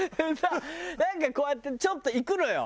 なんかこうやってちょっといくのよ。